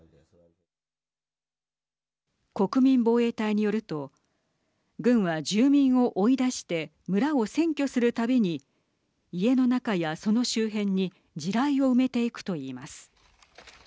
国民防衛隊によると軍は住民を追い出して村を占拠するたびに家の中やその周辺に地雷を埋めていくと言います。